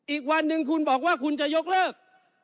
อีกวันหนึ่งคุณบอกว่าคุณจะยกเลิก